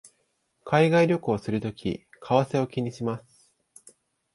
海外旅行をするとき為替を気にします